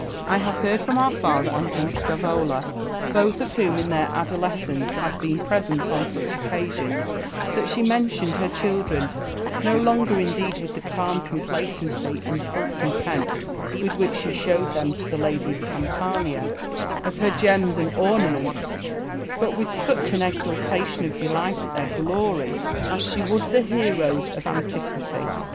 I have heard from our father and from Scaevola, both of whom in their adolescence had been present on such occasions, that she mentioned her children, no longer indeed with the calm complacency and full con tent with which she showed them to the lady of Campania as her gems and ornaments, but with such an exultation of delight at their glory, as she would the heroes of antiquity.